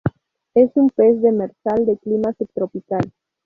Es un pez demersal de clima subtropical.